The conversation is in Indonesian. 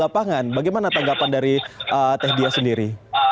lapangan bagaimana tanggapan dari teh dia sendiri